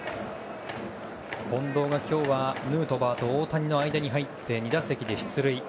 近藤は今日はヌートバーと大谷の間に入り２打席で出塁。